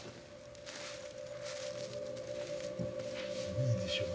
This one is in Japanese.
いいでしょう？